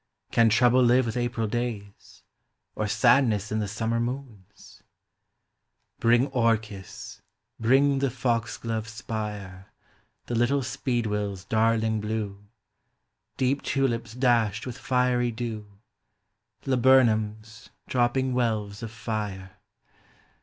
Can trouble live with April days, Or sadness in the summer moons? Bring orchis, bring the foxglove spire, The little speedwell's darling blue, Deep tulips dashed with fiery dew, Laburnums, dropping wells of lire.